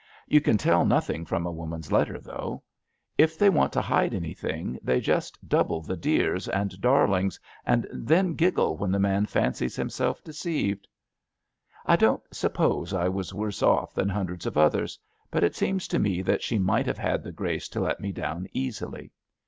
You can tell nothing from a woman's letter, though. If they want to hide anything, they just double the * dears ' and * darlings,' 18 ABAPT THE FUNNEL and then giggle when the man fancies himself deceived. I don^t suppose I was worse off than hundreds of others, but it seems to me that she might have had the grace to let me down easily.